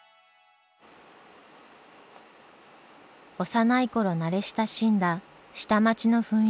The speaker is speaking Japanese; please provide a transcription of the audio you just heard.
幼い頃慣れ親しんだ下町の雰囲気。